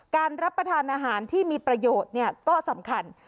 รับประทานอาหารที่มีประโยชน์ก็สำคัญ